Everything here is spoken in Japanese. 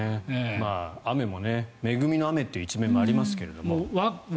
雨も恵みの雨という一面もありますけれども。